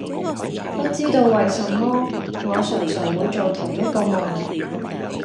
不知道為什麼，我常常會做同一個夢